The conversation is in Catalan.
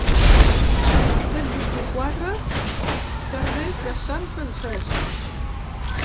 Cent vint-i-quatre Carrer de Sant Francesc.